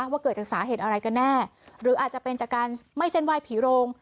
ว่าเกิดจากสาเหตุอะไรกันแน่หรืออาจจะเป็นจากการไม่เส้นไหว้ผีโรง